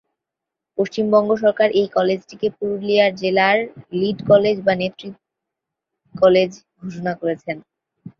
পশ্চিমবঙ্গ সরকার এই কলেজটিকে পুরুলিয়ার জেলার লিড কলেজ বা নেতৃ-কলেজ ঘোষণা করেছেন।